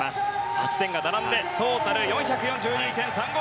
８点が並んでトータル４４２．３５。